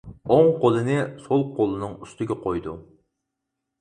ئوڭ قولىنى سول قولىنىڭ ئۈستىگە قويىدۇ.